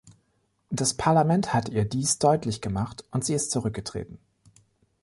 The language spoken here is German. Das Parlament hat ihr dies deutlich gemacht, und sie ist zurückgetreten.